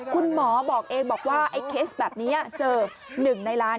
คุณหมอบอกเองบอกว่าไอ้เคสแบบนี้เจอ๑ในล้าน